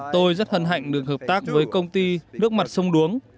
tôi rất hân hạnh được hợp tác với công ty nước mặt sông đuống